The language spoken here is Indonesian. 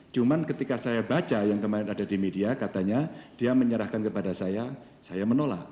cuma ketika saya baca yang kemarin ada di media katanya dia menyerahkan kepada saya saya menolak